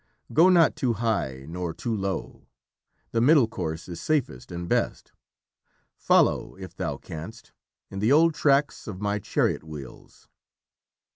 Go not too high nor too low. The middle course is safest and best. Follow, if thou canst, in the old tracks of my chariot wheels!"